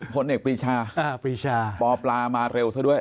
อ๋อพลเอกปีชาป่อปลามาเร็วซะด้วย